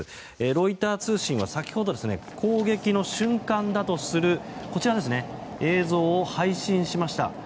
ロイター通信は先ほど攻撃の瞬間だとする映像を配信しました。